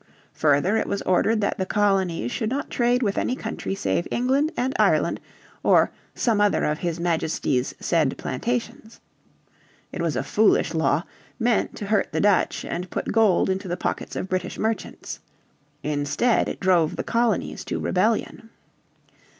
Further it was ordered that the colonies should not trade with any country save England and Ireland or "some other of His Majesty's said plantations." It was a foolish law, meant to hurt the Dutch, and put gold into the pockets of British merchants. Instead it drove the colonies to rebellion.